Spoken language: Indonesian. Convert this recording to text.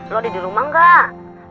lo ada di rumah enggak